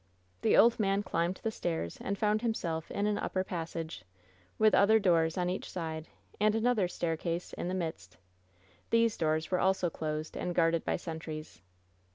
The old man climbed the stairs, and found himself in an upper passage, with other doors on each side, and an other staircase in the midst. These doors were also closed and guarded by sentries.